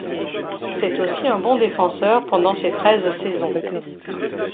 C'est aussi un bon défenseur pendant ses treize saisons.